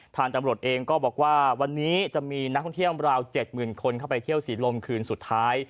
ทางจังหลวดเองก็บอกว่าวันนี้จะมีนักเที่ยวราวเจ็ดหมื่นคนเข้าไปเที่ยวสีลมคืนสุดท้าย